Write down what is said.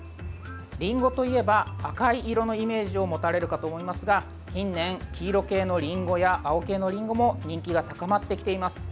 りんごといえば赤い色のイメージを持たれるかと思いますが近年、黄色系のりんごやアオ系のりんごも人気が高まってきています。